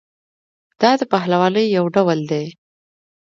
دا د پهلوانۍ یو ډول دی.